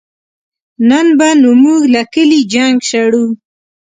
نن به نو مونږ له کلي جنګ شړو